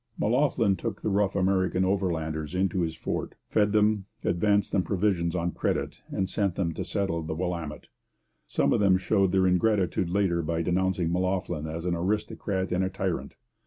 M'Loughlin took the rough American overlanders into his fort, fed them, advanced them provisions on credit, and sent them to settle on the Willamette. Some of them showed their ingratitude later by denouncing M'Loughlin as 'an aristocrat and a tyrant.'